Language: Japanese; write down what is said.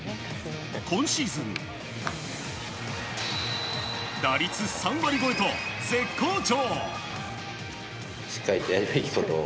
今シーズン打率３割超えと絶好調。